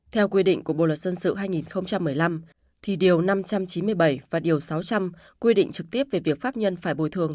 theo quy định của bộ luật dân sự hai nghìn một mươi năm thì điều năm trăm chín mươi bảy và điều sáu trăm linh quy định trực tiếp về việc pháp nhân phải bồi thường